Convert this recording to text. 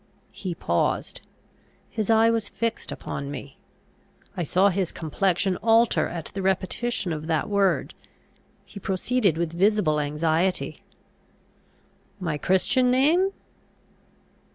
He paused. His eye was fixed upon me. I saw his complexion alter at the repetition of that word. He proceeded with visible anxiety. My Christian name?